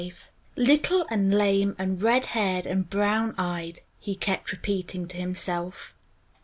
V "Little and lame and red haired and brown eyed," he kept repeating to himself.